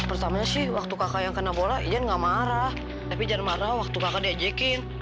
pertamanya sih waktu kakak yang kena bola ian gak marah tapi jangan marah waktu kakak diejekin